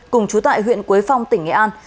cùng chú tại huyện quế phong tỉnh nghệ an